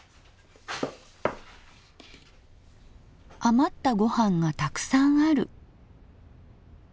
余ったご飯がたくさんある。